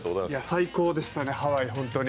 最高でしたね、ハワイは本当に。